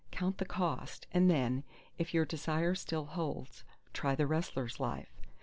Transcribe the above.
Count the cost—and then, if your desire still holds, try the wrestler's life.